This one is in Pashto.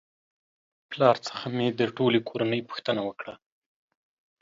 پلار څخه مې د ټولې کورنۍ پوښتنه وکړه